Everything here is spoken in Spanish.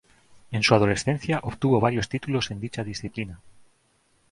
En su adolescencia, obtuvo varios títulos en dicha disciplina.